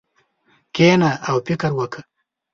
کښېنه او فکر وکړه.